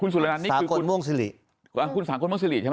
สากลม่วงศิริอ้าวคุณสาหกลม่วงศิริใช่ไหม